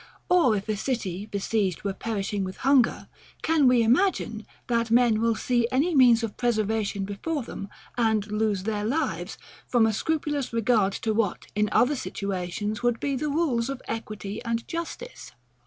Or if a city besieged were perishing with hunger; can we imagine, that men will see any means of preservation before them, and lose their lives, from a scrupulous regard to what, in other situations, would be the rules of equity and justice?